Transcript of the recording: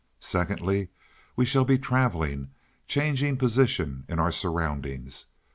Secondly we shall be traveling changing position in our surroundings.